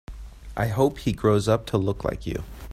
I hope he grows up to look like you.